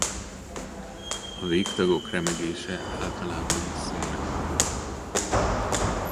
A végtagok remegése általában szimmetrikus.